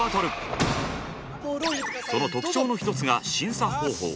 その特徴の一つが審査方法。